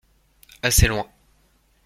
Assez loin.